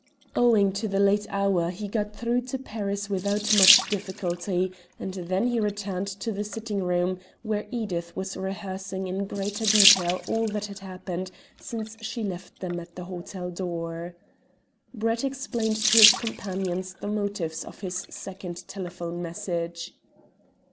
Owing to the late hour he got through to Paris without much difficulty, and then he returned to the sitting room, where Edith was rehearsing in greater detail all that had happened since she left them at the hotel door. Brett explained to his companions the motives of his second telephonic message.